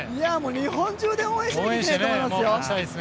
日本中で応援したいと思いますよ。